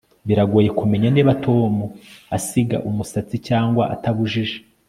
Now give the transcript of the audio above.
Biragoye kumenya niba Tom asiga umusatsi cyangwa atabujije